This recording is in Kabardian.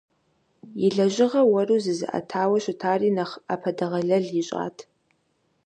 И лэжьыгъэ уэру зызыӏэтауэ щытари нэхъ ӏэпэдэгъэлэл ищӏат.